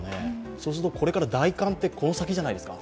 そうするとこれから大寒ってこの先じゃないですか。